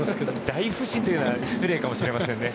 大不振というのは失礼かもしれませんね。